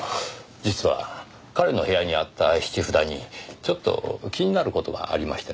実は彼の部屋にあった質札にちょっと気になる事がありましてね。